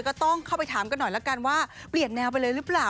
ก็ต้องเข้าไปถามกันหน่อยละกันว่าเปลี่ยนแนวไปเลยหรือเปล่า